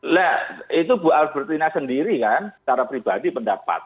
nah itu bu albertina sendiri kan secara pribadi pendapat